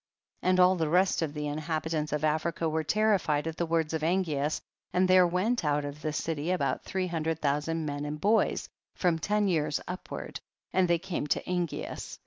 30. And all the rest of the inhabi tants of Africa were terrified at the words of Angeas, and there went out of the city about three hundred thou sand men and boys, from ten years upward, and they came to Angeas.